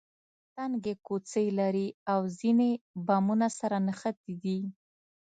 تنګې کوڅې لري او ځینې بامونه سره نښتي دي.